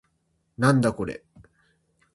なんだこれ